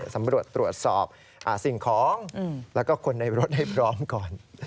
สำรวจตรวจสอบสิ่งของแล้วก็คนในรถให้พร้อมก่อน